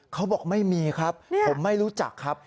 เขาบอกไม่มีครับผมไม่รู้จักครับ